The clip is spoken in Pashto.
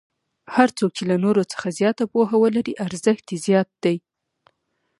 هر څوک چې له نورو څخه زیاته پوهه ولري ارزښت یې زیات دی.